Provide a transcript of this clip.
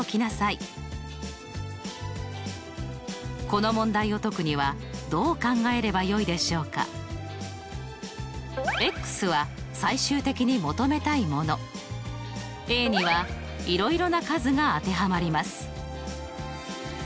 この問題を解くにはどう考えればよいでしょうか？は最終的に求めたいもの。にはいろいろな数が当てはまります。